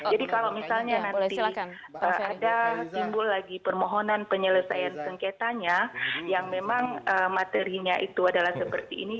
jadi kalau misalnya nanti ada timbul lagi permohonan penyelesaian sengketanya yang memang materinya itu adalah seperti ini